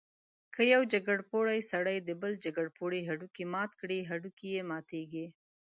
که یو جګپوړی سړی د بل جګپوړي هډوکی مات کړي، هډوکی یې ماتېږي.